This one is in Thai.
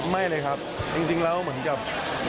ไม่เลยครับจริงแล้วเหมือนกับ